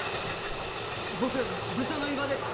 僕部長の伊庭です！